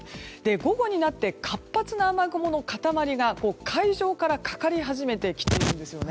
午後になって、活発な雨雲の塊が海上からかかり始めてきているんですよね。